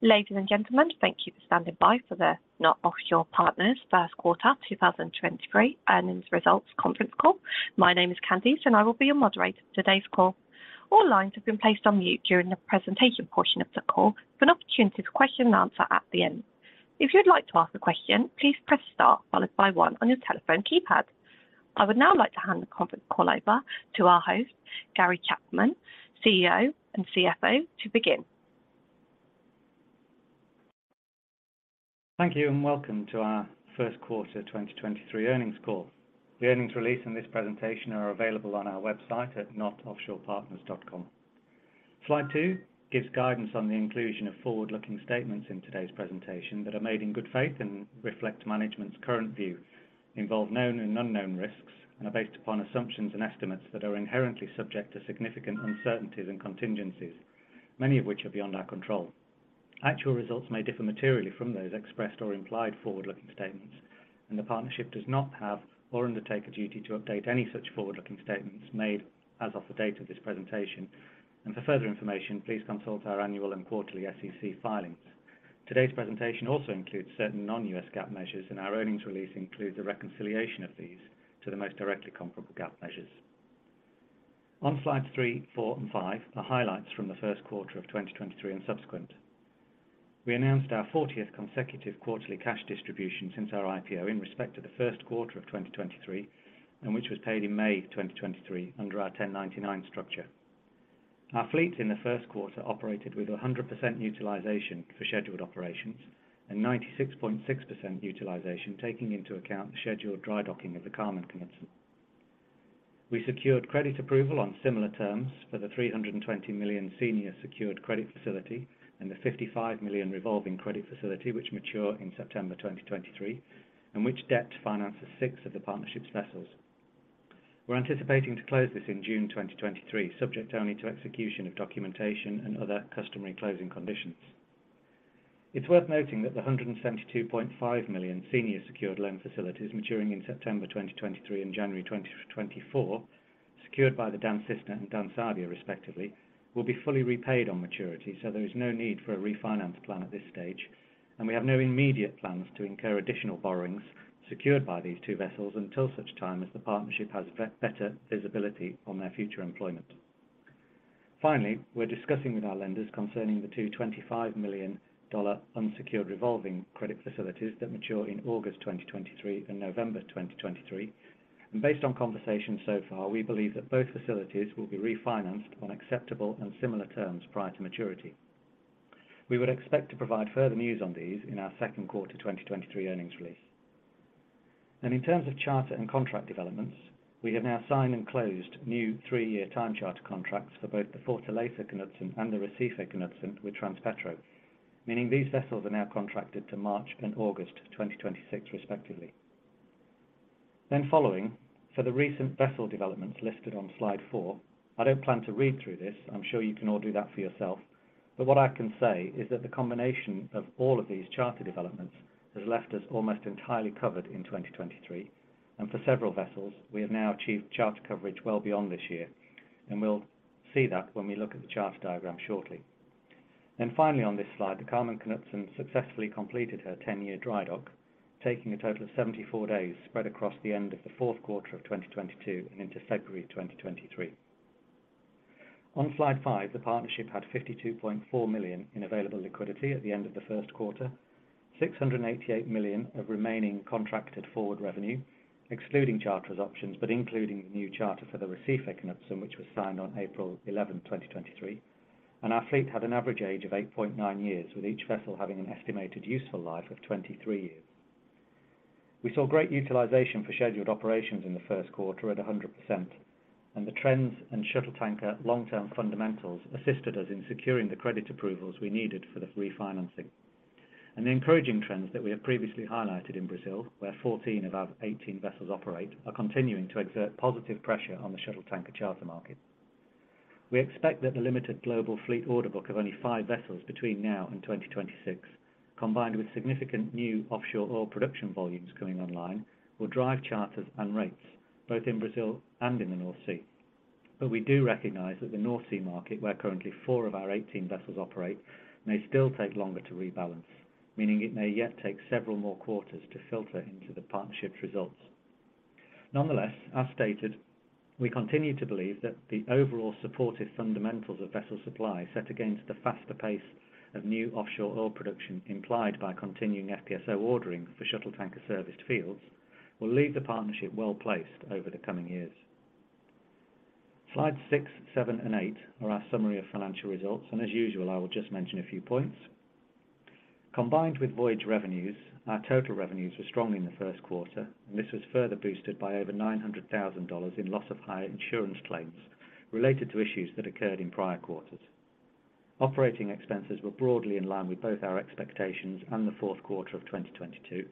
Ladies and gentlemen, thank you for standing by for the KNOT Offshore Partners First Quarter 2023 Earnings Results Conference Call. My name is Candice, and I will be your moderator for today's call. All lines have been placed on mute during the presentation portion of the call for an opportunity to question and answer at the end. If you'd like to ask a question, please press star followed by one on your telephone keypad. I would now like to hand the conference call over to our host, Gary Chapman, CEO and CFO, to begin. Thank you. Welcome to our First Quarter 2023 Earnings Call. The earnings release in this presentation are available on our website at knotoffshorepartners.com. Slide two gives guidance on the inclusion of forward-looking statements in today's presentation that are made in good faith and reflect management's current view, involve known and unknown risks, and are based upon assumptions and estimates that are inherently subject to significant uncertainties and contingencies, many of which are beyond our control. Actual results may differ materially from those expressed or implied forward-looking statements, and the partnership does not have or undertake a duty to update any such forward-looking statements made as of the date of this presentation. For further information, please consult our annual and quarterly SEC filings. Today's presentation also includes certain non-U.S. GAAP measures, and our earnings release includes a reconciliation of these to the most directly comparable GAAP measures. On slides three, four, and five, are highlights from the first quarter of 2023 and subsequent. We announced our 40th consecutive quarterly cash distribution since our IPO in respect to the first quarter of 2023, and which was paid in May 2023 under our 1099 structure. Our fleet in the first quarter operated with 100% utilization for scheduled operations and 96.6% utilization, taking into account the scheduled dry docking of the Carmen Knutsen. We secured credit approval on similar terms for the $320 million senior secured credit facility and the $55 million revolving credit facility, which mature in September 2023, and which debt finances 6 of the partnership's vessels. We're anticipating to close this in June 2023, subject only to execution of documentation and other customary closing conditions. It's worth noting that the $172.5 million senior secured loan facilities maturing in September 2023 and January 2024, secured by the Dan Cisne and Dan Sabia, respectively, will be fully repaid on maturity. There is no need for a refinance plan at this stage, and we have no immediate plans to incur additional borrowings secured by these two vessels until such time as the partnership has better visibility on their future employment. Finally, we're discussing with our lenders concerning the two $25 million unsecured revolving credit facilities that mature in August, 2023 and November, 2023. Based on conversations so far, we believe that both facilities will be refinanced on acceptable and similar terms prior to maturity. We would expect to provide further news on these in our second quarter 2023 earnings release. In terms of charter and contract developments, we have now signed and closed new three-year time charter contracts for both the Fortaleza Knutsen and the Recife Knutsen with Transpetro, meaning these vessels are now contracted to March and August, 2026 respectively. Following, for the recent vessel developments listed on slide four, I don't plan to read through this. I'm sure you can all do that for yourself. What I can say is that the combination of all of these charter developments has left us almost entirely covered in 2023, and for several vessels, we have now achieved charter coverage well beyond this year, and we'll see that when we look at the charter diagram shortly. Finally, on this slide, the Carmen Knutsen successfully completed her 10-year dry dock, taking a total of 74 days, spread across the end of the fourth quarter of 2022 and into February, 2023. On slide 5, the partnership had $52.4 million in available liquidity at the end of the first quarter, $688 million of remaining contracted forward revenue, excluding charters options, but including the new charter for the Recife Knutsen, which was signed on April 11, 2023. Our fleet had an average age of 8.9 years, with each vessel having an estimated useful life of 23 years. We saw great utilization for scheduled operations in the first quarter at 100%. The trends and shuttle tanker long-term fundamentals assisted us in securing the credit approvals we needed for the refinancing. The encouraging trends that we have previously highlighted in Brazil, where 14 of our 18 vessels operate, are continuing to exert positive pressure on the shuttle tanker charter market. We expect that the limited global fleet order book of only five vessels between now and 2026, combined with significant new offshore oil production volumes coming online, will drive charters and rates, both in Brazil and in the North Sea. We do recognize that the North Sea market, where currently four of our 18 vessels operate, may still take longer to rebalance, meaning it may yet take several more quarters to filter into the partnership's results. Nonetheless, as stated, we continue to believe that the overall supportive fundamentals of vessel supply set against the faster pace of new offshore oil production implied by continuing FPSO ordering for shuttle tanker serviced fields, will leave the partnership well-placed over the coming years. Slide six, seven, and eight are our summary of financial results, and as usual, I will just mention a few points. Combined with voyage revenues, our total revenues were strong in the first quarter, and this was further boosted by over $900,000 in loss of higher insurance claims related to issues that occurred in prior quarters. Operating expenses were broadly in line with both our expectations and the fourth quarter of 2022,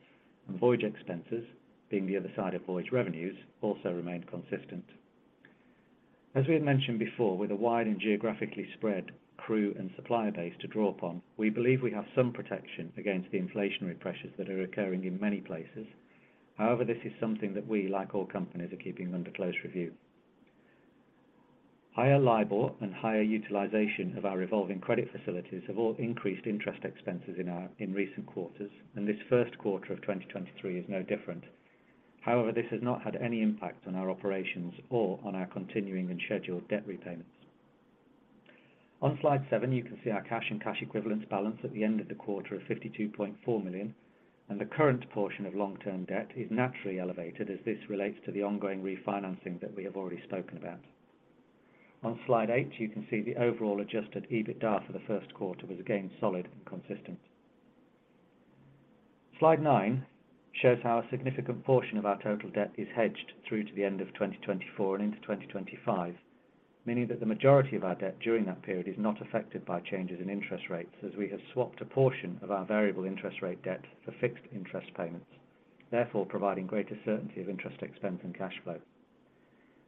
and voyage expenses, being the other side of voyage revenues, also remained consistent. As we had mentioned before, with a wide and geographically spread crew and supplier base to draw upon, we believe we have some protection against the inflationary pressures that are occurring in many places. This is something that we, like all companies, are keeping under close review. Higher LIBOR and higher utilization of our revolving credit facilities have all increased interest expenses in recent quarters. This first quarter of 2023 is no different. This has not had any impact on our operations or on our continuing and scheduled debt repayments. On slide seven, you can see our cash and cash equivalence balance at the end of the quarter of $52.4 million. The current portion of long-term debt is naturally elevated as this relates to the ongoing refinancing that we have already spoken about. On slide eight, you can see the overall adjusted EBITDA for the first quarter was again, solid and consistent. Slide nine shows how a significant portion of our total debt is hedged through to the end of 2024 and into 2025, meaning that the majority of our debt during that period is not affected by changes in interest rates, as we have swapped a portion of our variable interest rate debt for fixed interest payments, therefore, providing greater certainty of interest expense and cash flow.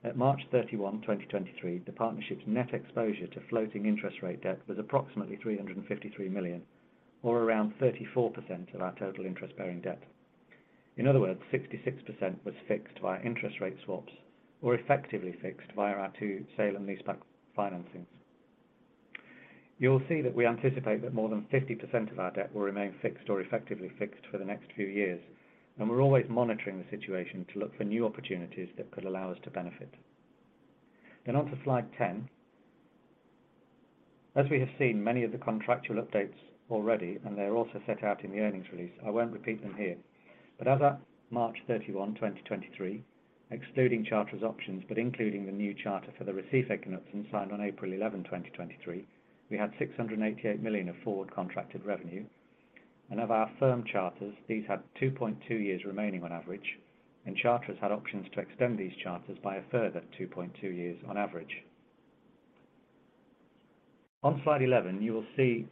At March 31, 2023, the partnership's net exposure to floating interest rate debt was approximately $353 million, or around 34% of our total interest-bearing debt. In other words, 66% was fixed by our interest rate swaps or effectively fixed via our two sale and leaseback financings. You will see that we anticipate that more than 50% of our debt will remain fixed or effectively fixed for the next few years, and we're always monitoring the situation to look for new opportunities that could allow us to benefit. On to slide 10. As we have seen, many of the contractual updates already, and they are also set out in the earnings release. I won't repeat them here, but as at March 31, 2023, excluding charters options, but including the new charter for the Recife Knutsen signed on April 11, 2023, we had $688 million of forward contracted revenue. Of our firm charters, these had 2.2 years remaining on average, and charters had options to extend these charters by a further 2.2 years on average. On slide 11, you will see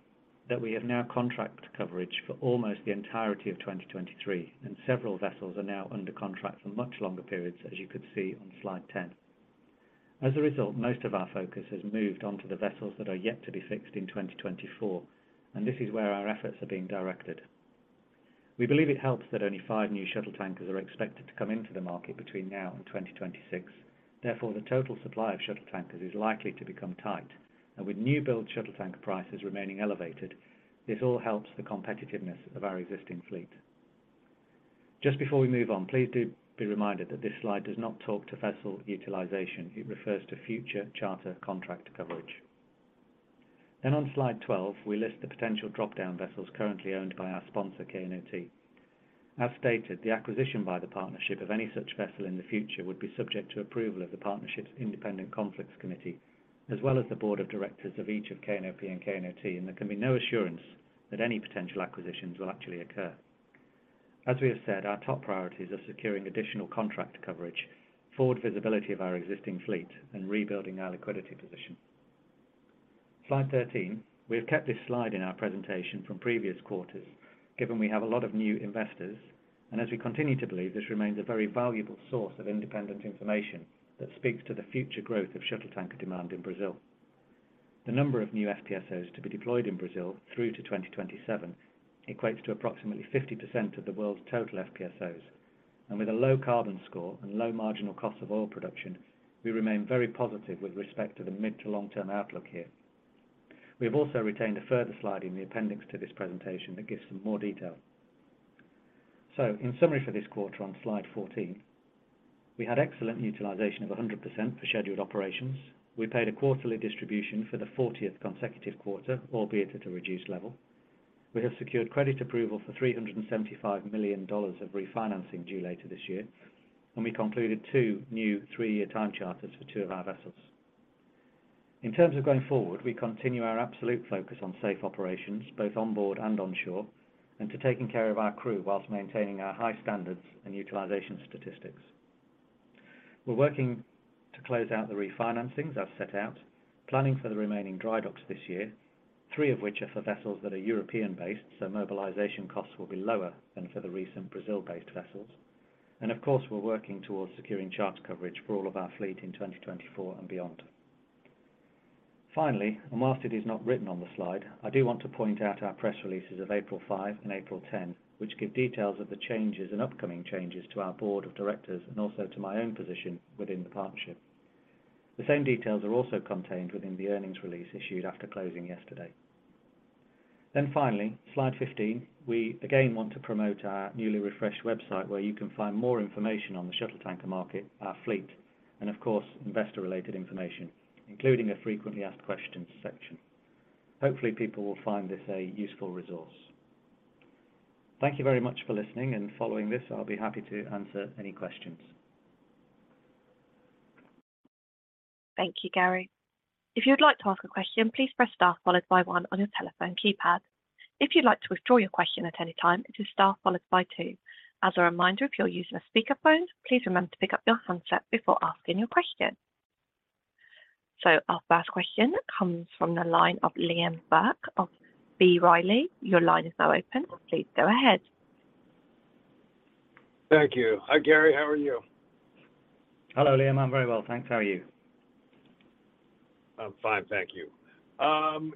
that we have now contract coverage for almost the entirety of 2023, and several vessels are now under contract for much longer periods, as you could see on slide 10. As a result, most of our focus has moved on to the vessels that are yet to be fixed in 2024, and this is where our efforts are being directed. We believe it helps that only five new shuttle tankers are expected to come into the market between now and 2026. Therefore, the total supply of shuttle tankers is likely to become tight, and with new build shuttle tanker prices remaining elevated, this all helps the competitiveness of our existing fleet. Just before we move on, please do, be reminded that this slide does not talk to vessel utilization. It refers to future charter contract coverage. On slide 12, we list the potential drop-down vessels currently owned by our sponsor, KNOT. As stated, the acquisition by the partnership of any such vessel in the future would be subject to approval of the partnership's independent conflicts committee, as well as the board of directors of each of KNOP and KNOT, and there can be no assurance that any potential acquisitions will actually occur. As we have said, our top priorities are securing additional contract coverage, forward visibility of our existing fleet, and rebuilding our liquidity position. Slide 13. We have kept this slide in our presentation from previous quarters, given we have a lot of new investors, and as we continue to believe, this remains a very valuable source of independent information that speaks to the future growth of shuttle tanker demand in Brazil. The number of new FPSOs to be deployed in Brazil through to 2027 equates to approximately 50% of the world's total FPSOs. With a low carbon score and low marginal cost of oil production, we remain very positive with respect to the mid to long-term outlook here. We have also retained a further slide in the appendix to this presentation that gives some more detail. In summary for this quarter on Slide 14, we had excellent utilization of 100% for scheduled operations. We paid a quarterly distribution for the 40th consecutive quarter, albeit at a reduced level. We have secured credit approval for $375 million of refinancing due later this year, and we concluded two new three-year time charters for two of our vessels. In terms of going forward, we continue our absolute focus on safe operations, both on board and onshore, and to taking care of our crew whilst maintaining our high standards and utilization statistics. We're working to close out the refinancings as set out, planning for the remaining dry docks this year, three of which are for vessels that are European-based, so mobilization costs will be lower than for the recent Brazil-based vessels. Of course, we're working towards securing charter coverage for all of our fleet in 2024 and beyond. Finally, and whilst it is not written on the slide, I do want to point out our press releases of April 5 and April 10, which give details of the changes and upcoming changes to our board of directors and also to my own position within the partnership. The same details are also contained within the earnings release issued after closing yesterday. Finally, slide 15, we again want to promote our newly refreshed website, where you can find more information on the shuttle tanker market, our fleet, and of course, investor-related information, including a frequently asked questions section. Hopefully, people will find this a useful resource. Thank you very much for listening, and following this, I'll be happy to answer any questions. Thank you, Gary. If you'd like to ask a question, please press star followed by one on your telephone keypad. If you'd like to withdraw your question at any time, it is star followed by two. As a reminder, if you're using a speakerphone, please remember to pick up your handset before asking your question. Our first question comes from the line of Liam Burke of B. Riley. Your line is now open. Please go ahead. Thank you. Hi, Gary. How are you? Hello, Liam. I'm very well, thanks. How are you? I'm fine, thank you.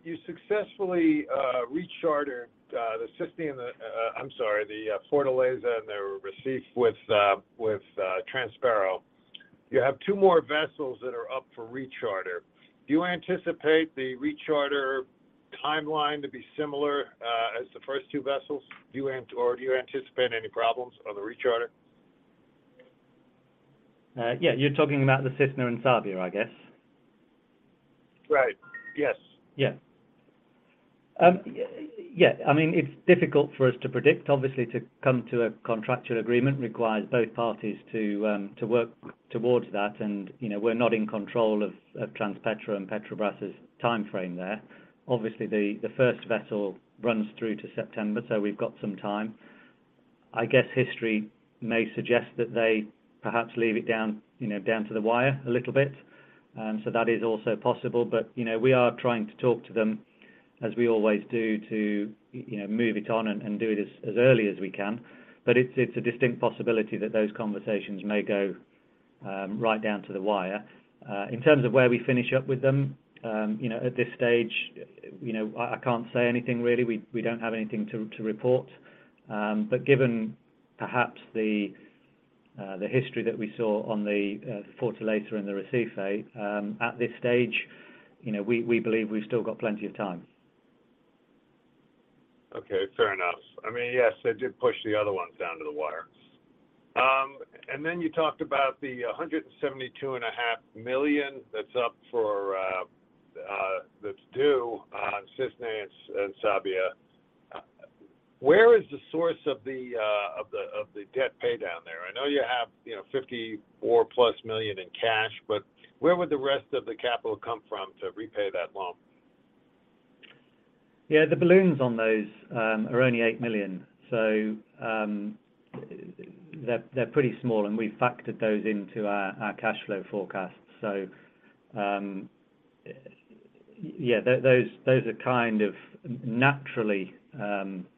You successfully rechartered the Cisne and, I am sorry, the Fortaleza and the Recife with Transpetro. You have two more vessels that are up for recharter. Do you anticipate the recharter timeline to be similar as the first two vessels? Do you anticipate any problems on the recharter? Yeah, you're talking about the Cisne and Sabia, I guess. Right. Yes. Yeah. I mean, it's difficult for us to predict. Obviously, to come to a contractual agreement requires both parties to work towards that, and, you know, we're not in control of Transpetro and Petrobras' timeframe there. Obviously, the first vessel runs through to September, so we've got some time. I guess history may suggest that they perhaps leave it down, you know, down to the wire a little bit. That is also possible. You know, we are trying to talk to them, as we always do, to, you know, move it on and do it as early as we can. It's a distinct possibility that those conversations may go right down to the wire. In terms of where we finish up with them, you know, at this stage, you know, I can't say anything really. We don't have anything to report. Given perhaps the history that we saw on the Fortaleza and the Recife, at this stage, you know, we believe we've still got plenty of time. Okay, fair enough. I mean, yes, they did push the other ones down to the wire. You talked about the $172 and a half million that's up for that's due on Cisne and Sabia. Where is the source of the debt pay down there? I know you have, you know, $54+ million in cash, but where would the rest of the capital come from to repay that loan? The balloons on those are only $8 million, they're pretty small, and we've factored those into our cash flow forecast. Those are kind of naturally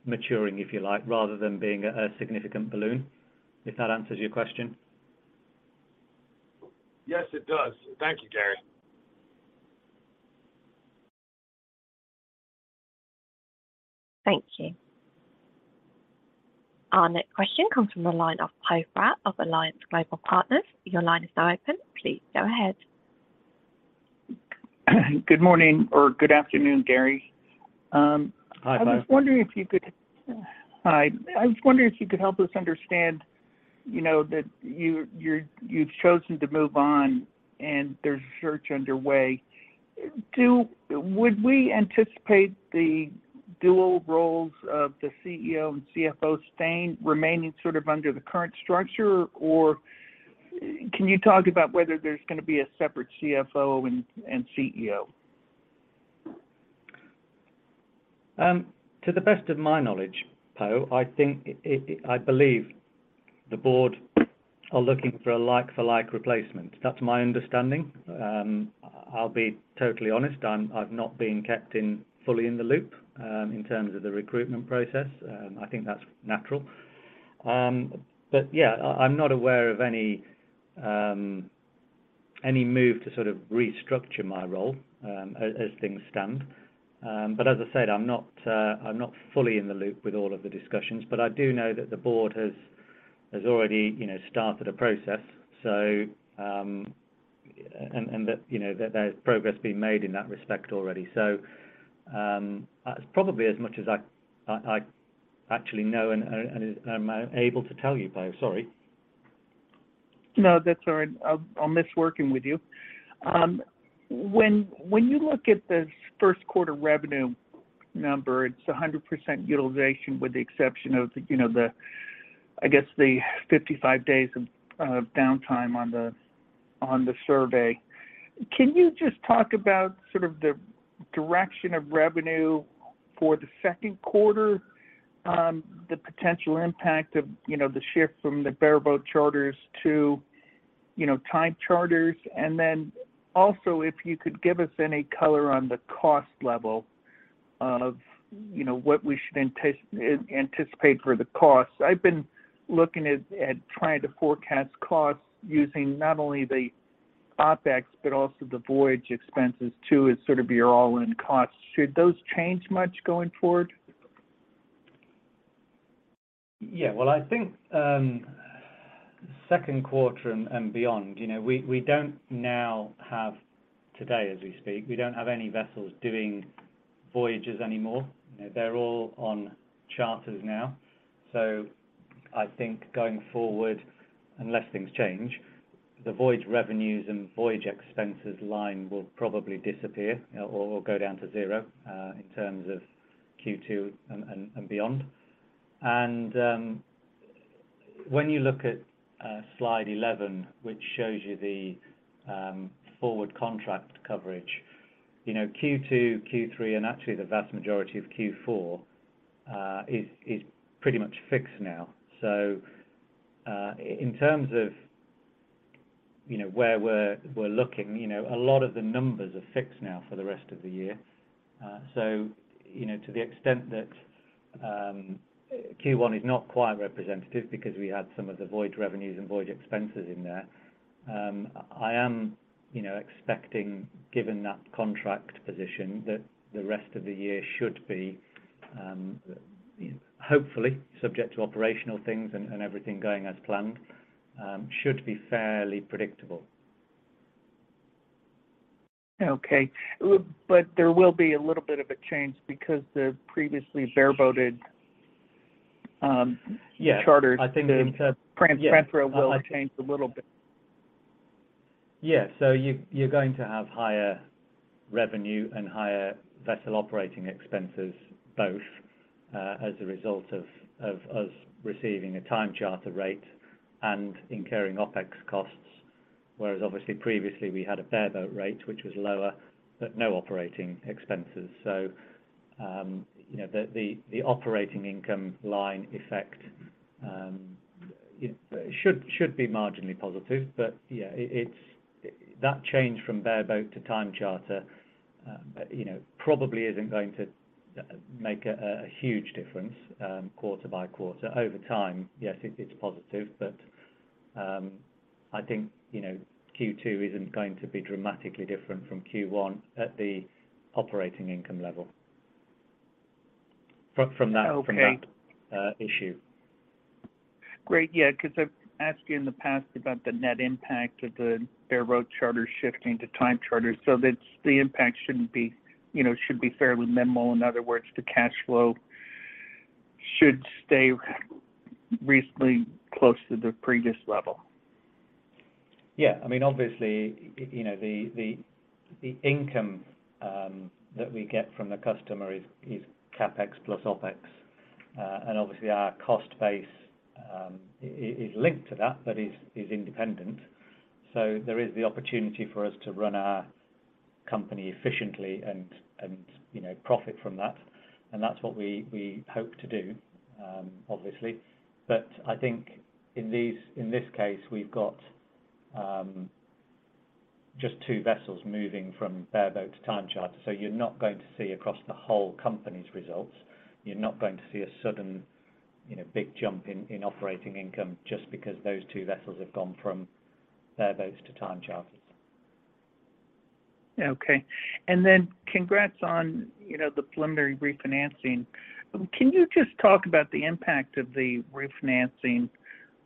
maturing, if you like, rather than being a significant balloon, if that answers your question. Yes, it does. Thank you, Gary. Thank you. Our next question comes from the line of Poe Fratt of Alliance Global Partners. Your line is now open. Please go ahead. Good morning or good afternoon, Gary. Hi, Poe. I was wondering if you could. Hi. I was wondering if you could help us understand, you know, that you've chosen to move on, and there's a search underway. Would we anticipate the dual roles of the CEO and CFO staying, remaining sort of under the current structure, or can you talk about whether there's going to be a separate CFO and CEO? To the best of my knowledge, Poe, I think I believe the board are looking for a like for like replacement. That's my understanding. I'll be totally honest, I've not been kept in, fully in the loop, in terms of the recruitment process, I think that's natural. Yeah, I'm not aware of any move to sort of restructure my role, as things stand. As I said, I'm not fully in the loop with all of the discussions, but I do know that the board has already, you know, started a process. And that, you know, there's progress being made in that respect already. That's probably as much as I actually know and I'm able to tell you, Poe. Sorry. No, that's all right. I'll miss working with you. When you look at the first quarter revenue number, it's 100% utilization with the exception of the, you know, the, I guess, the 55 days of downtime on the, on the survey. Can you just talk about sort of the direction of revenue for the second quarter, the potential impact of, you know, the shift from the bareboat charters to, you know, time charters? Also, if you could give us any color on the cost level of, you know, what we should anticipate for the costs. I've been looking at trying to forecast costs using not only the OpEx, but also the voyage expenses, too, as sort of your all-in costs. Should those change much going forward? Yeah, well, I think, second quarter and beyond, you know, we don't now have, today, as we speak, we don't have any vessels doing voyages anymore. They're all on charters now. I think going forward, unless things change, the voyage revenues and voyage expenses line will probably disappear or go down to zero in terms of Q2 and beyond. When you look at slide 11, which shows you the forward contract coverage, you know, Q2, Q3, and actually the vast majority of Q4, is pretty much fixed now. In terms of, you know, where we're looking, you know, a lot of the numbers are fixed now for the rest of the year. You know, to the extent that Q1 is not quite representative because we had some of the voyage revenues and voyage expenses in there. I am, you know, expecting, given that contract position, that the rest of the year should be, hopefully, subject to operational things and everything going as planned, should be fairly predictable. Okay. There will be a little bit of a change because the previously bareboated. Yeah charters, I think. Yeah transfer will change a little bit. You're going to have higher revenue and higher vessel operating expenses, both as a result of us receiving a time charter rate and incurring OpEx costs. Whereas obviously, previously, we had a bareboat rate, which was lower, but no operating expenses. You know, the operating income line effect should be marginally positive. It's that change from bareboat to time charter, you know, probably isn't going to make a huge difference quarter by quarter. Over time, yes, it's positive, but I think, you know, Q2 isn't going to be dramatically different from Q1 at the operating income level. From that. Okay from that issue. Great. Yeah, because I've asked you in the past about the net impact of the bareboat charter shifting to time charter, so that the impact shouldn't be, you know, should be fairly minimal. In other words, the cash flow should stay recently close to the previous level. Yeah. I mean, obviously, you know, the, the income that we get from the customer is CapEx plus OpEx. Obviously, our cost base is linked to that, but is independent. There is the opportunity for us to run our company efficiently and, you know, profit from that, and that's what we hope to do, obviously. I think in this case, we've got just two vessels moving from bareboat to time charter, so you're not going to see across the whole company's results. You're not going to see a sudden, you know, big jump in operating income just because those two vessels have gone from bareboats to time charters. Okay. Then congrats on, you know, the preliminary refinancing. Can you just talk about the impact of the refinancing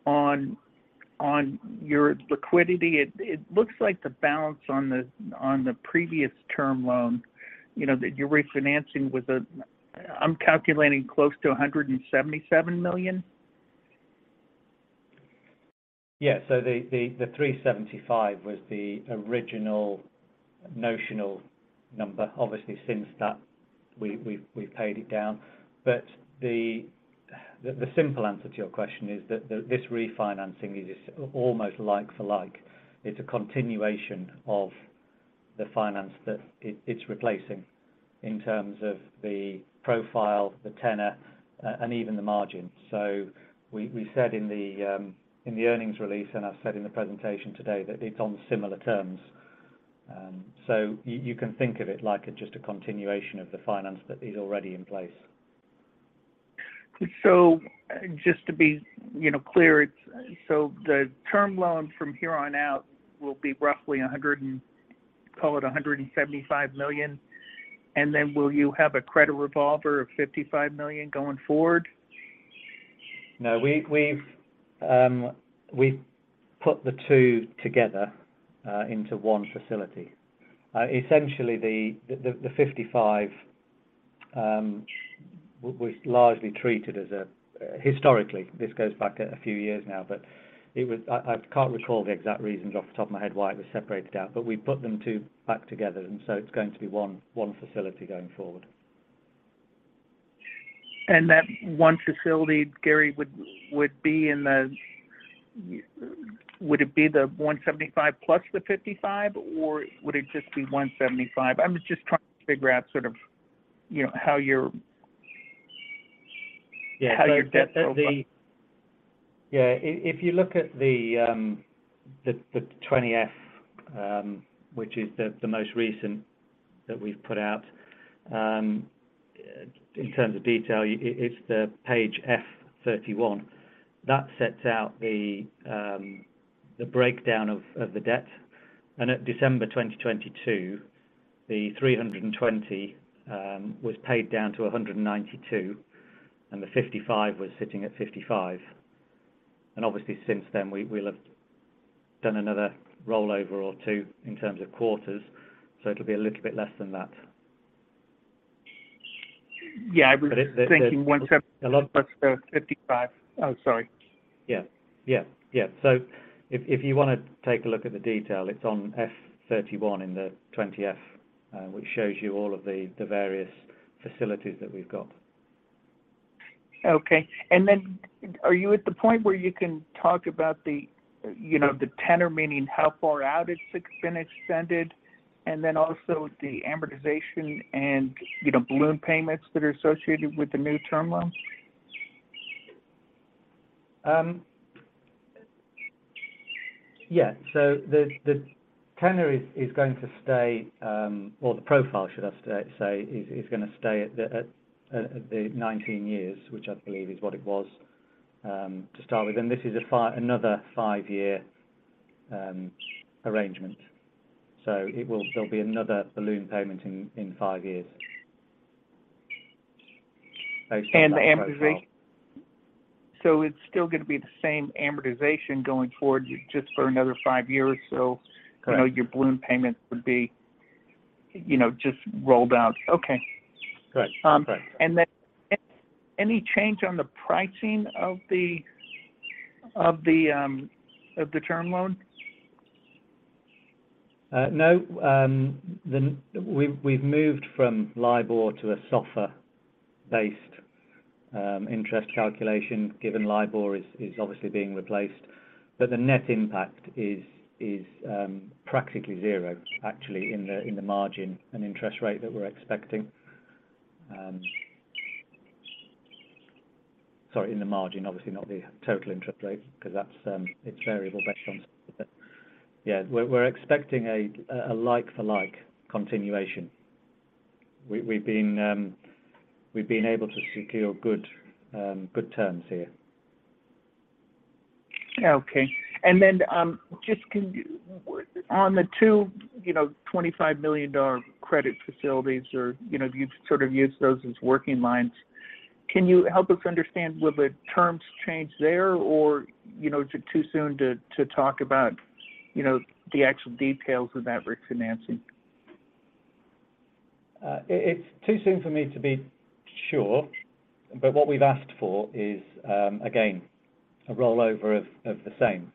on your liquidity? It looks like the balance on the previous term loan, you know, that you're refinancing, I'm calculating close to $177 million. Yeah. The $375 million was the original notional number. Obviously, since that, we've paid it down. The simple answer to your question is that this refinancing is almost like for like. It's a continuation of the finance, that it's replacing in terms of the profile, the tenor, and even the margin. We said in the earnings release, and I've said in the presentation today, that it's on similar terms. You can think of it like just a continuation of the finance that is already in place. Just to be, you know, clear, so the term loan from here on out will be roughly call it $175 million, and then will you have a credit revolver of $55 million going forward? No, we've put the two together into one facility. Essentially, the $55 million was largely treated as a, historically, this goes back a few years now, but I can't recall the exact reasons off the top of my head why it was separated out, but we put them two back together, and so it's going to be one facility going forward. That one facility, Gary, Would it be the $175 million plus the $55 million, or would it just be $175 million? I'm just trying to figure out sort of, you know. Yeah how your debt goes. Yeah. If you look at the 20-F, which is the most recent that we've put out, in terms of detail, it's the page F-31. That sets out the breakdown of the debt, and at December 2022, the $320 million was paid down to $192 million, and the $55 million was sitting at $55 million. Obviously, since then, we'll have done another rollover or two in terms of quarters, so it'll be a little bit less than that. Yeah, it, there. Thinking $175 million- A lot- Plus the $55 million. Oh, sorry. Yeah. Yeah, yeah. If you want to take a look at the detail, it's on F-31 in the 20-F, which shows you all of the various facilities that we've got. Okay. Then are you at the point where you can talk about the, you know, the tenor, meaning how far out it's been extended, and then also the amortization and, you know, balloon payments that are associated with the new term loan? The tenor is going to stay, or the profile, should I say, is going to stay at the 19 years, which I believe is what it was to start with. This is another five-year arrangement. There'll be another balloon payment in five years. The amortization? It's still going to be the same amortization going forward, just for another five years or so? Correct. You know, your balloon payment would be, you know, just rolled out. Okay. Correct. Correct. Any change on the pricing of the term loan? no, the, we've moved from LIBOR to a SOFR-based interest calculation, given LIBOR is obviously being replaced, the net impact is practically zero, actually, in the margin and interest rate that we're expecting. Sorry, in the margin, obviously not the total interest rate, because that's it's variable based on... Yeah, we're expecting a like for like continuation. We've been able to secure good terms here. Okay. Then, just can you on the two, you know, $25 million credit facilities, or, you know, you've sort of used those as working lines, can you help us understand, will the terms change there, or, you know, is it too soon to talk about, you know, the actual details of that refinancing? It's too soon for me to be sure, but what we've asked for is again a rollover of the same.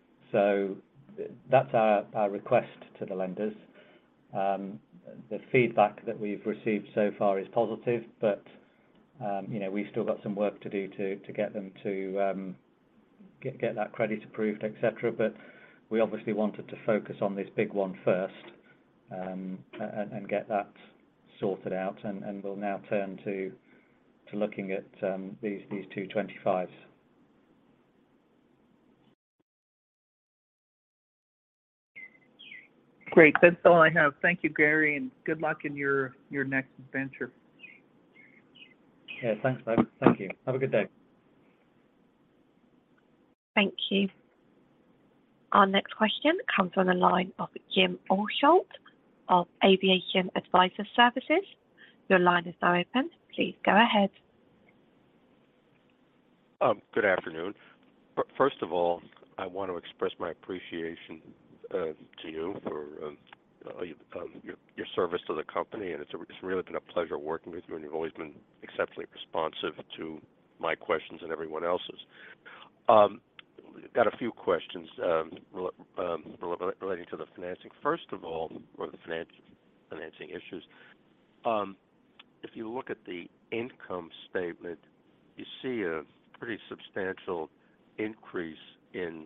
That's our request to the lenders. The feedback that we've received so far is positive, but, you know, we've still got some work to do to get them to get that credit approved, et cetera. We obviously wanted to focus on this big one first, and get that sorted out, and we'll now turn to looking at these two $25 millions. Great. That's all I have. Thank you, Gary, and good luck in your next venture. Yeah, thanks, Mike. Thank you. Have a good day. Thank you. Our next question comes on the line of Jim Altschul of Aviation Advisors. Your line is now open. Please go ahead. Good afternoon. First of all, I want to express my appreciation to you for your service to the company, and it's really been a pleasure working with you, and you've always been exceptionally responsive to my questions and everyone else's. Got a few questions relating to the financing. First of all, or the financing issues, if you look at the income statement, you see a pretty substantial increase in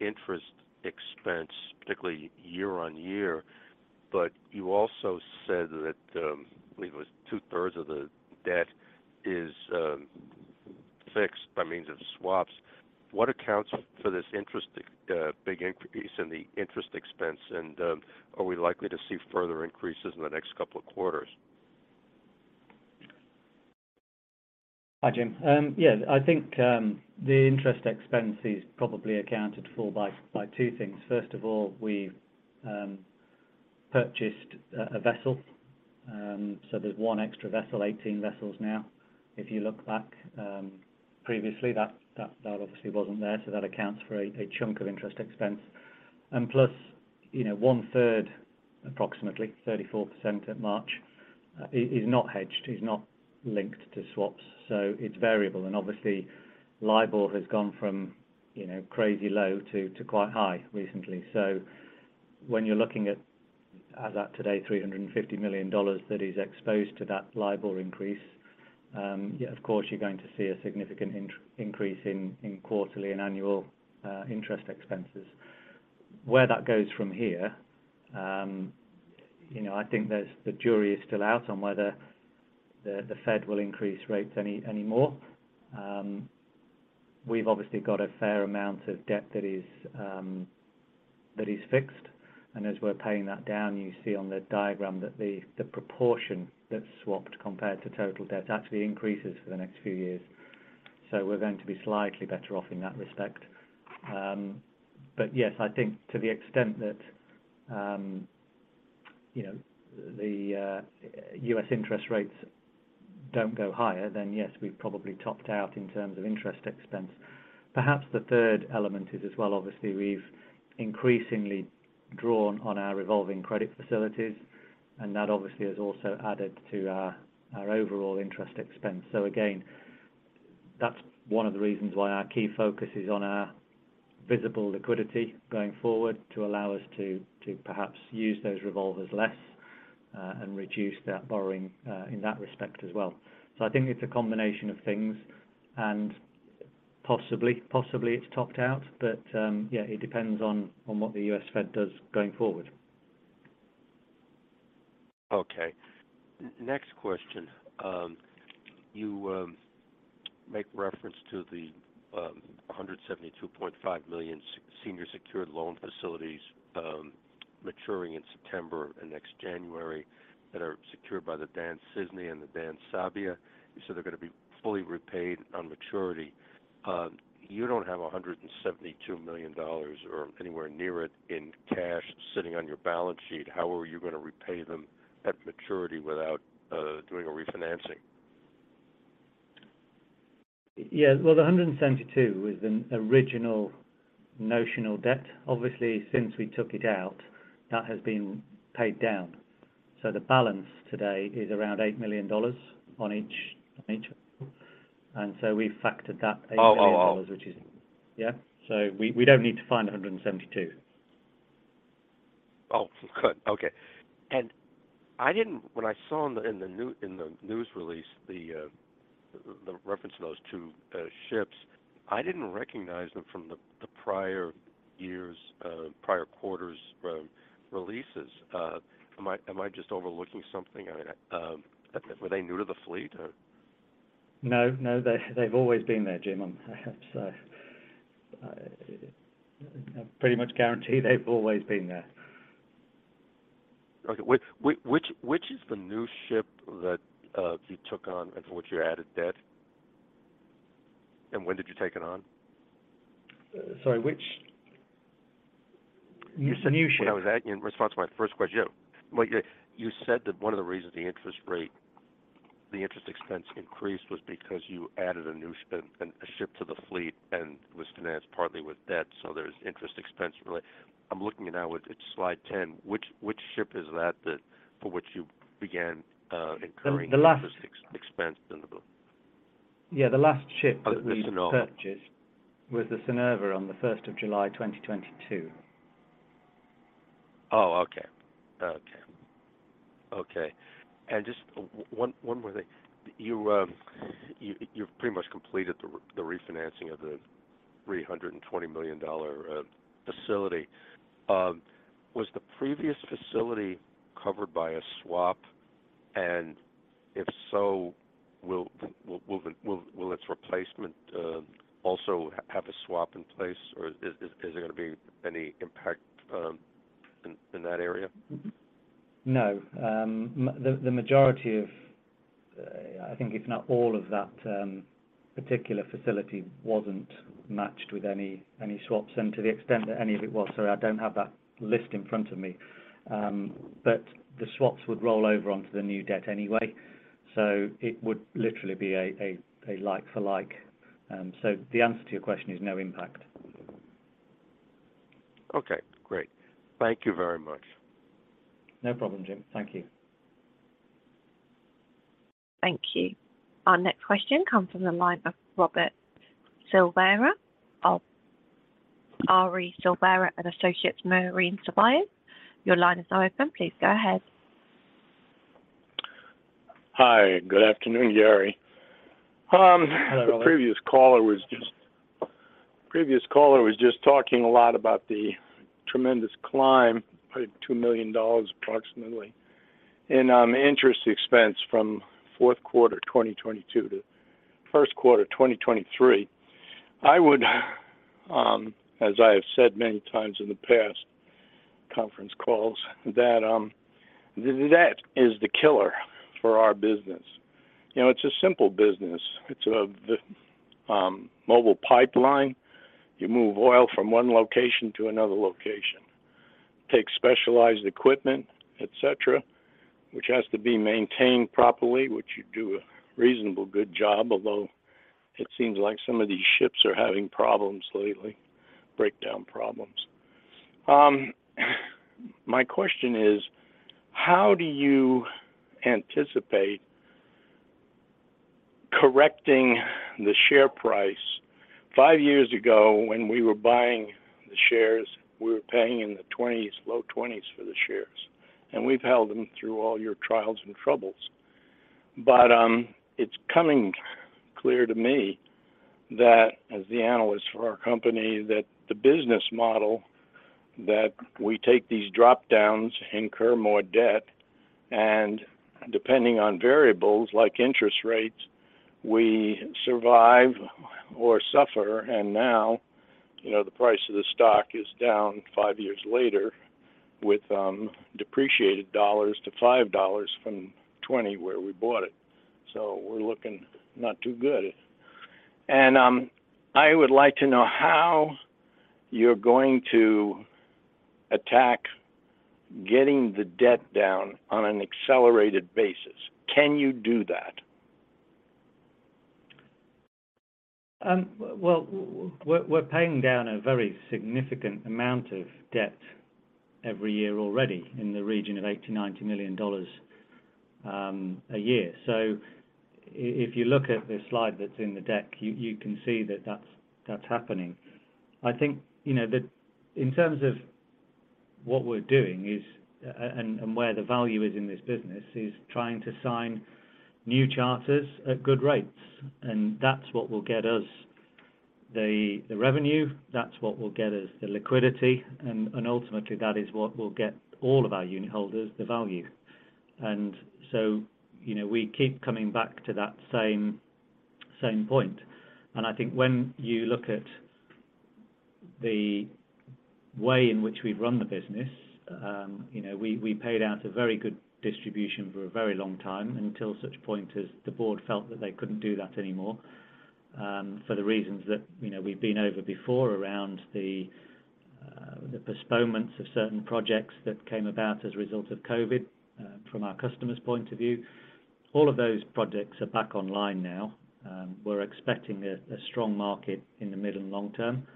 interest expense, particularly year on year. You also said that, I believe it was 2/3 of the debt is fixed by means of swaps. What accounts for this interest, big increase in the interest expense, and are we likely to see further increases in the next couple of quarters? Hi, Jim. Yeah, I think the interest expense is probably accounted for by two things. First of all, we've purchased a vessel, so there's one extra vessel, 18 vessels now. If you look back, previously, that obviously wasn't there, so that accounts for a chunk of interest expense. Plus, you know, 1/3, approximately 34% at March, is not hedged, is not linked to swaps, so it's variable. Obviously, LIBOR has gone from, you know, crazy low to quite high recently. When you're looking at, as at today, $350 million that is exposed to that LIBOR increase, yeah, of course, you're going to see a significant increase in quarterly and annual interest expenses. Where that goes from here, you know, I think the jury is still out on whether the Fed will increase rates anymore. We've obviously got a fair amount of debt that is fixed, and as we're paying that down, you see on the diagram that the proportion that's swapped compared to total debt actually increases for the next few years. We're going to be slightly better off in that respect. Yes, I think to the extent that, you know, U.S. interest rates don't go higher, then yes, we've probably topped out in terms of interest expense. Perhaps the third element is as well, obviously, we've increasingly drawn on our revolving credit facilities, and that obviously has also added to our overall interest expense. Again, that's one of the reasons why our key focus is on our visible liquidity going forward to allow us to perhaps use those revolvers less and reduce that borrowing in that respect as well. I think it's a combination of things, and possibly it's topped out, but it depends on what the U.S. Fed does going forward. Okay. Next question. You make reference to the $172.5 million senior secured loan facilities, maturing in September and next January, that are secured by the Dan Cisne and the Dan Sabia. You said they're going to be fully repaid on maturity. You don't have $172 million or anywhere near it in cash sitting on your balance sheet. How are you going to repay them at maturity without doing a refinancing? Yeah, well, the $172 million is an original notional debt. Obviously, since we took it out, that has been paid down. The balance today is around $8 million on each. We've factored that $8 million. Oh, wow. Yeah. We don't need to find $172 million. Oh, good. Okay. When I saw in the news release, the reference to those two ships, I didn't recognize them from the prior years, prior quarters, releases. Am I just overlooking something? I mean, were they new to the fleet, or? No, no, they've always been there, Jim. I have to say. I pretty much guarantee they've always been there. Okay. Which is the new ship that you took on and for which you added debt? When did you take it on? Sorry, which new ship? In response to my first question. Yeah. Well, yeah, you said that one of the reasons the interest rate, the interest expense increased was because you added a new ship, a ship to the fleet and was financed partly with debt, so there's interest expense, really. I'm looking at now, it's slide 10. Which ship is that for which you began incurring? The last... interest expense in the book? Yeah, the last ship that we purchased. The Synnøve Knutsen. was the Synnøve on the first of July, 2022. Oh, okay. Okay. Okay, just one more thing. You, you've pretty much completed the refinancing of the $320 million facility. Was the previous facility covered by a swap? If so, will its replacement also have a swap in place, or is there going to be any impact in that area? No. The majority of, I think if not all of that, particular facility wasn't matched with any swaps. To the extent that any of it was, sorry, I don't have that list in front of me, the swaps would roll over onto the new debt anyway, so it would literally be a like for like. The answer to your question is no impact. Okay, great. Thank you very much. No problem, Jim. Thank you. Thank you. Our next question comes from the line of Ronald Silvera of R.E. SILVERA & ASSOCIATES, MARINE SURVEYORS. Your line is now open. Please go ahead. Hi. Good afternoon, Gary. Hello the previous caller was just talking a lot about the tremendous climb, probably $2 million, approximately, in interest expense from fourth quarter 2022 to first quarter 2023. I would, as I have said many times in the past conference calls, that the debt is the killer for our business. You know, it's a simple business. It's a mobile pipeline. You move oil from one location to another location, take specialized equipment, et cetera, which has to be maintained properly, which you do a reasonably good job, although it seems like some of these ships are having problems lately, breakdown problems. My question is: how do you anticipate correcting the share price? Five years ago, when we were buying the shares, we were paying in the 20s, low 20s for the shares, and we've held them through all your trials and troubles. It's coming clear to me that as the analyst for our company, that the business model, that we take these drop-downs, incur more debt, and depending on variables like interest rates, we survive or suffer, and now, you know, the price of the stock is down five years later with depreciated dollars to $5 from $20, where we bought it. We're looking not too good. I would like to know how you're going to attack getting the debt down on an accelerated basis. Can you do that? Well, we're paying down a very significant amount of debt every year already in the region of $80 million-$90 million a year. If you look at the slide that's in the deck, you can see that that's happening. I think, you know, that in terms of what we're doing is, and where the value is in this business, is trying to sign new charters at good rates, and that's what will get us the revenue, that's what will get us the liquidity, and ultimately, that is what will get all of our unitholders the value. You know, we keep coming back to that same point. I think when you look at the way in which we run the business, you know, we paid out a very good distribution for a very long time, until such point as the board felt that they couldn't do that anymore, for the reasons that, you know, we've been over before around the postponements of certain projects that came about as a result of COVID, from our customers' point of view. All of those projects are back online now. We're expecting a strong market in the mid and long term.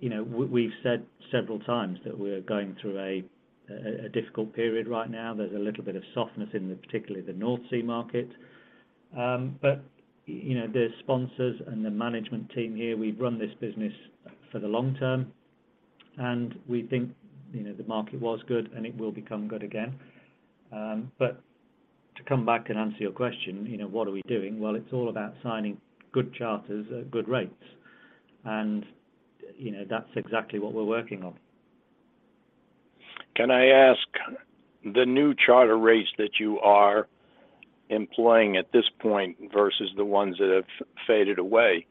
You know, we've said several times that we're going through a difficult period right now. There's a little bit of softness in the, particularly the North Sea market. You know, the sponsors and the management team here, we've run this business for the long term, and we think, you know, the market was good, and it will become good again. To come back and answer your question, you know, what are we doing? Well, it's all about signing good charters at good rates. You know, that's exactly what we're working on. Can I ask, the new charter rates that you are employing at this point versus the ones that have faded away,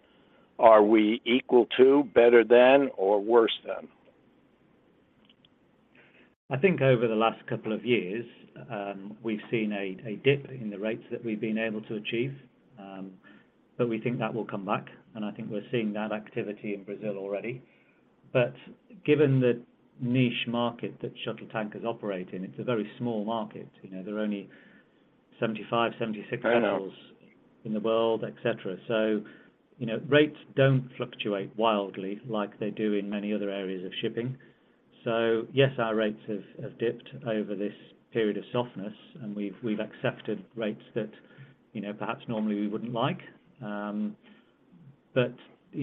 are we equal to, better than, or worse than? I think over the last couple of years, we've seen a dip in the rates that we've been able to achieve, but we think that will come back, and I think we're seeing that activity in Brazil already. Given the niche market that shuttle tanker operate in, it's a very small market. You know, there are only 75, 76- I know. vessels in the world, et cetera. You know, rates don't fluctuate wildly like they do in many other areas of shipping. Yes, our rates have dipped over this period of softness, and we've accepted rates that, you know, perhaps normally we wouldn't like. You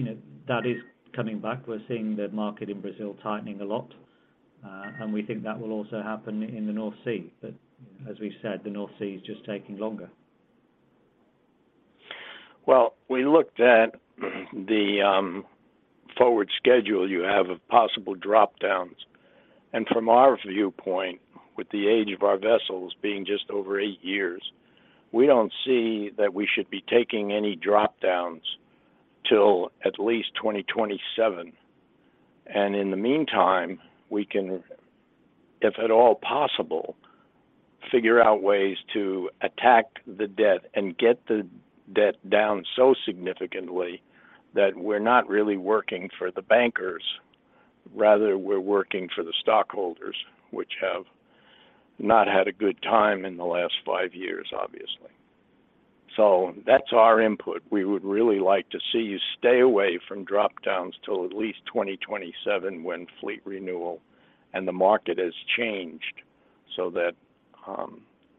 know, that is coming back. We're seeing the market in Brazil tightening a lot, and we think that will also happen in the North Sea. As we've said, the North Sea is just taking longer. Well, we looked at the forward schedule you have of possible drop-downs. From our viewpoint, with the age of our vessels being just over eight years, we don't see that we should be taking any drop-downs till at least 2027. In the meantime, we can, if at all possible, figure out ways to attack the debt and get the debt down so significantly that we're not really working for the bankers, rather, we're working for the stockholders, which have not had a good time in the last five years, obviously. That's our input. We would really like to see you stay away from drop-downs till at least 2027, when fleet renewal and the market has changed, that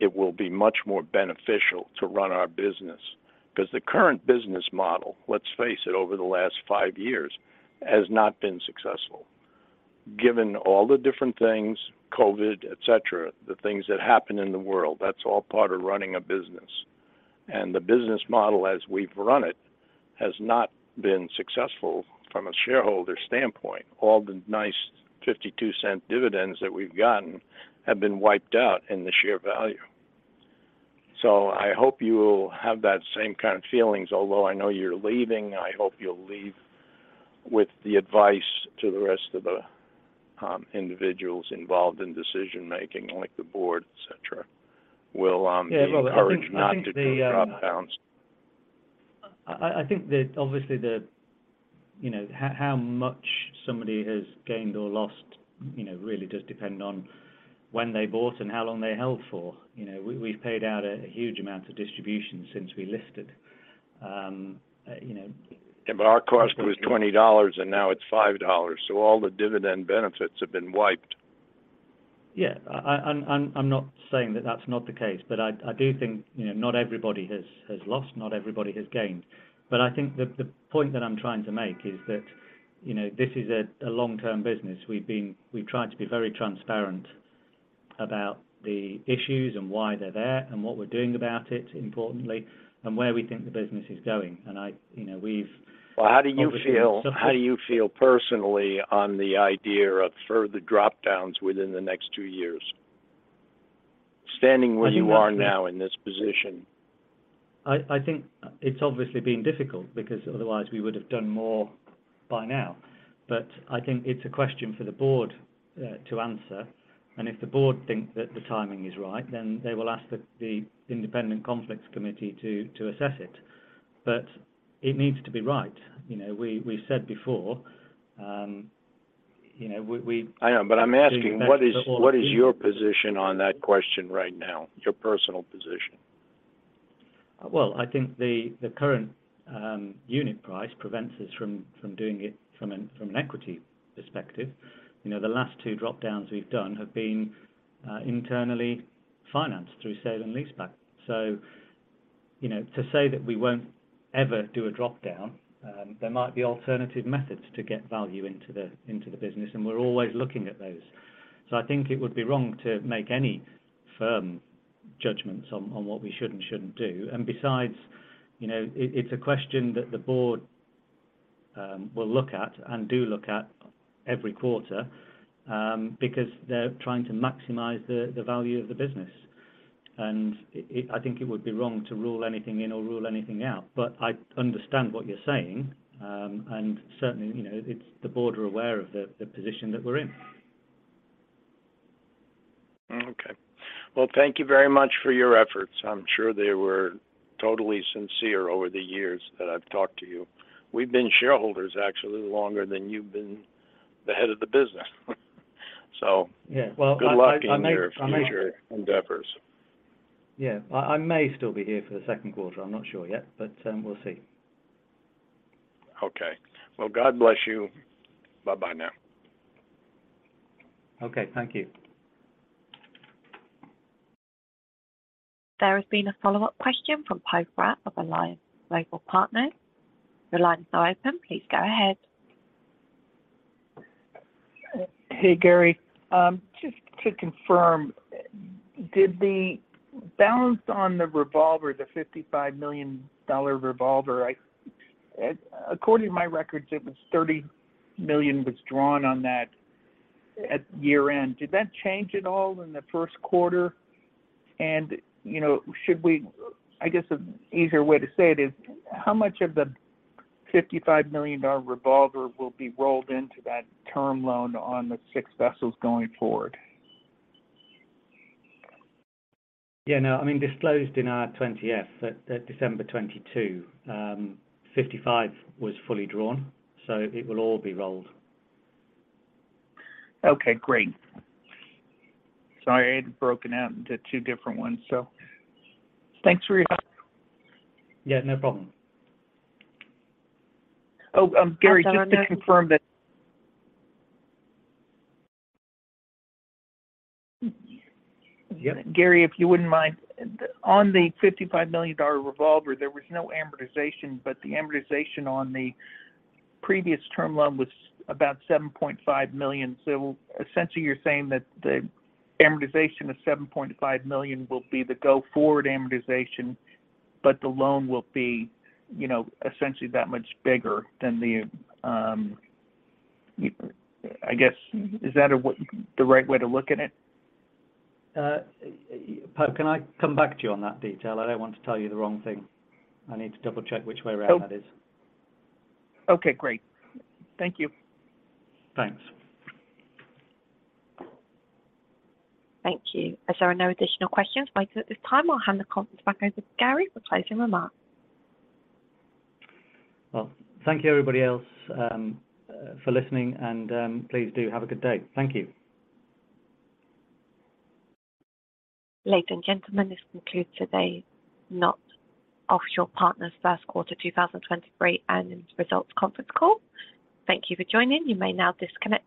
it will be much more beneficial to run our business. The current business model, let's face it, over the last five years, has not been successful. Given all the different things, COVID, et cetera, the things that happen in the world, that's all part of running a business. The business model as we've run it, has not been successful from a shareholder standpoint. All the nice $0.52 dividends that we've gotten have been wiped out in the share value. I hope you will have that same kind of feelings, although I know you're leaving, I hope you'll leave with the advice to the rest of the individuals involved in decision-making, like the board, et cetera. Will. Yeah, well, I think the. be encouraged not to do drop-downs. I think that obviously the, you know, how much somebody has gained or lost, you know, really does depend on when they bought and how long they held for. You know, we've paid out a huge amount of distribution since we listed. You know. Yeah, our cost was $20. Now it's $5. All the dividend benefits have been wiped. Yeah. I'm not saying that that's not the case, I do think, you know, not everybody has lost, not everybody has gained. I think the point that I'm trying to make is that, you know, this is a long-term business. We've tried to be very transparent about the issues and why they're there and what we're doing about it, importantly, and where we think the business is going. you know, we've- Well, how do you feel...... obviously- How do you feel personally on the idea of further drop-downs within the next two years? Standing where you are now in this position. I think it's obviously been difficult because otherwise, we would have done more by now. I think it's a question for the board to answer, and if the board think that the timing is right, then they will ask the independent conflicts committee to assess it. It needs to be right. You know, we've said before, you know. I know. I'm asking, what? doing the best. what is your position on that question right now, your personal position? I think the current unit price prevents us from doing it from an equity perspective. You know, the last two drop-downs we've done have been internally financed through sale and leaseback. You know, to say that we won't ever do a drop-down, there might be alternative methods to get value into the business, and we're always looking at those. I think it would be wrong to make any firm judgments on what we should and shouldn't do. Besides, you know, it's a question that the board will look at and do look at every quarter, because they're trying to maximize the value of the business. I think it would be wrong to rule anything in or rule anything out. I understand what you're saying, and certainly, you know, the board are aware of the position that we're in. Okay. Well, thank you very much for your efforts. I'm sure they were totally sincere over the years that I've talked to you. We've been shareholders actually longer than you've been the head of the business. Yeah, well, I may- Good luck in your future endeavors. Yeah. I may still be here for the second quarter. I'm not sure yet, but, we'll see. Okay. Well, God bless you. Bye-bye now. Okay. Thank you. There has been a follow-up question from Poe Fratt of Alliance Global Partners. Your line is now open. Please go ahead. Hey, Gary. Just to confirm, did the balance on the revolver, the $55 million revolver? According to my records, it was $30 million was drawn on that at year-end. Did that change at all in the first quarter? You know, I guess an easier way to say it is, how much of the $55 million revolver will be rolled into that term loan on the six vessels going forward? Yeah, no, I mean, disclosed in our 20-F, at December 2022, $55 million was fully drawn, so it will all be rolled. Okay, great. Sorry, I had it broken out into two different ones, so thanks for your help. Yeah, no problem. Oh, Gary, just to confirm. Yep. Gary, if you wouldn't mind, on the $55 million revolver, there was no amortization, but the amortization on the previous term loan was about $7.5 million. Essentially, you're saying that the amortization of $7.5 million will be the go-forward amortization, but the loan will be, you know, essentially that much bigger than the, I guess, is that the right way to look at it? Poe, can I come back to you on that detail? I don't want to tell you the wrong thing. I need to double-check which way around that is. Okay, great. Thank you. Thanks. Thank you. As there are no additional questions by us at this time, I'll hand the conference back over to Gary for closing remarks. Thank you, everybody else, for listening, please do have a good day. Thank you. Ladies and gentlemen, this concludes today's KNOT Offshore Partners first quarter 2023 earnings results conference call. Thank you for joining. You may now disconnect.